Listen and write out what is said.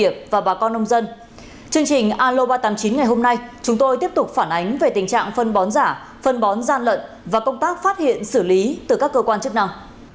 chương trình aloba tám mươi chín ngày hôm nay chúng tôi tiếp tục phản ánh về tình trạng phân bón giả phân bón gian lận và công tác phát hiện xử lý từ các cơ quan chức nào